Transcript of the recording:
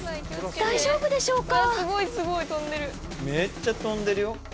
大丈夫でしょうか？